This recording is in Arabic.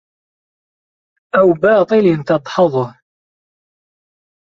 أَوْ بَاطِلٍ تَدْحَضُهُ